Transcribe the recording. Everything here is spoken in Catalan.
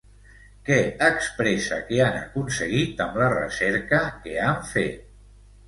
Què expressa que han aconseguit amb la recerca que han fet?